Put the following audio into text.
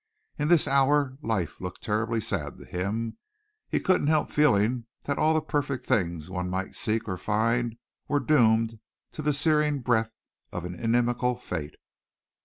In this hour life looked terribly sad to him. He couldn't help feeling that all the perfect things one might seek or find were doomed to the searing breath of an inimical fate.